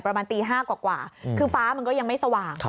ประมาณตี๕กว่าคือฟ้ามันก็ยังไม่สว่าง